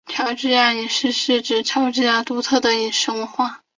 乔治亚饮食是指乔治亚独特的饮食文化。